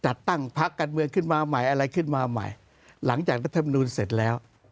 จัดตั้งพักการเมืองขึ้นมาใหม่อะไรขึ้นมาใหม่หลังจากรัฐมนูลเสร็จแล้ว